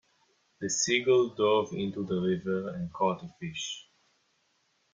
The seagull dove into the river and caught a fish.